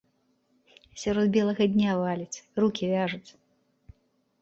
Сярод белага дня валяць, рукі вяжуць!